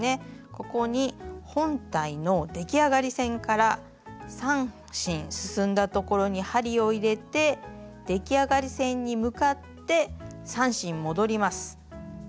ここに本体の出来上がり線から３針進んだところに針を入れて出来上がり線に向かって３針戻ります。